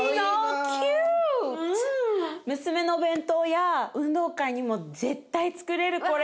娘のお弁当や運動会にも絶対つくれるこれ。